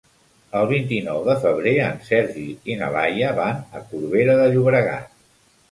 El vint-i-nou de febrer en Sergi i na Laia van a Corbera de Llobregat.